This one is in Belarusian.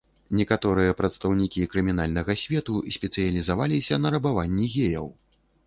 Некаторыя прадстаўнікі крымінальнага свету спецыялізаваліся на рабаванні геяў.